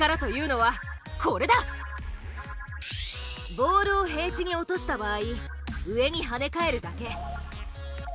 ボールを平地に落とした場合上に跳ね返るだけ。